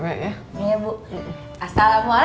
biarin aja mpik jalan dah